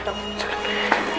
tidak aku sudah berhenti